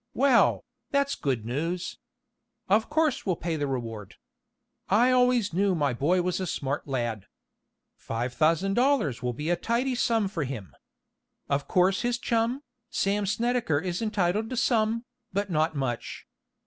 Well, that's good news. Of course we'll pay the reward. I always knew my boy was a smart lad. Five thousand dollars will be a tidy sum for him. Of course his chum, Sam Snedecker is entitled to some, but not much.